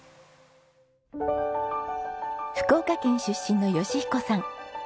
福岡県出身の義彦さん。